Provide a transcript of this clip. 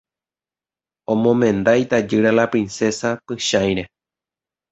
Omomenda itajýra la Princesa Pychãire.